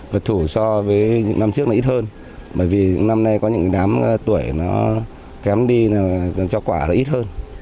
vật thủ so với những năm trước là ít hơn bởi vì năm nay có những đám tuổi nó kém đi cho quả là ít hơn